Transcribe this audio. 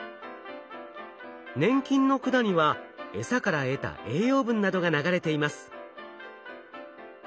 粘菌の管にはえさから得た栄養分などが流れています。